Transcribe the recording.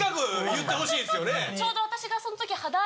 ちょうど私がその時。